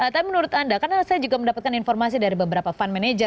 tapi menurut anda karena saya juga mendapatkan informasi dari beberapa fund manager